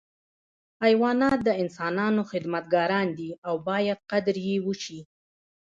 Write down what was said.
حیوانات د انسانانو خدمتګاران دي او باید قدر یې وشي.